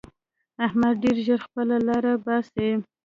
احمد ډېر ژر خپله لاره باسي.